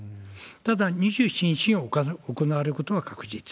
ただ、２７日に行われることが確実。